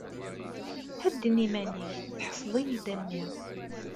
Hedden iman-ik, tḥesseḍ-iyi-d a mmi!